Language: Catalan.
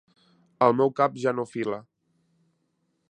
El meu cap ja no fila.